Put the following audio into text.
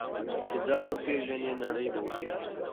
چې ځان وپېژنې، نړۍ به وپېژنې.